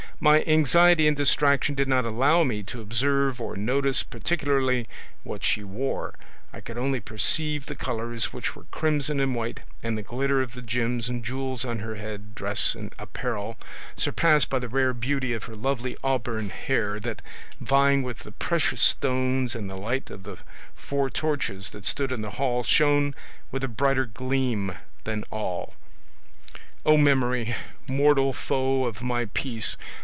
My anxiety and distraction did not allow me to observe or notice particularly what she wore; I could only perceive the colours, which were crimson and white, and the glitter of the gems and jewels on her head dress and apparel, surpassed by the rare beauty of her lovely auburn hair that vying with the precious stones and the light of the four torches that stood in the hall shone with a brighter gleam than all. Oh memory, mortal foe of my peace!